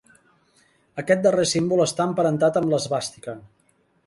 Aquest darrer símbol està emparentat amb l'esvàstica.